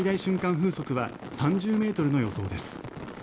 風速は３０メートルの予想です。